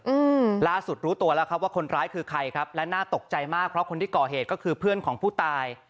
อืมล่าสุดรู้ตัวแล้วครับว่าคนร้ายคือใครครับและน่าตกใจมากเพราะคนที่ก่อเหตุก็คือเพื่อนของผู้ตาย